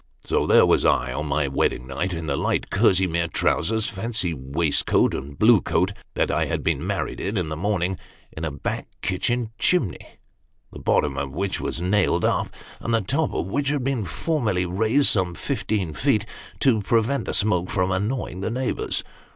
So, there was I, on my wedding night, in the light kerseymere trousers, fancy waistcoat, and blue coat, that I had been married in in the morning, in a back kitchen chimney, the bottom of which was nailed up, and the top of which had been formerly raised some fifteen feet, to prevent the smoke from annoying the neighbours.